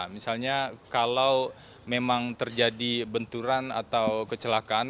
misalnya kalau memang terjadi benturan atau kecelakaan